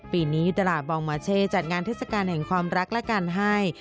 ปีนี้ตลาดบองมาเช่จัดงานเทศกาลแห่งความรักและการให้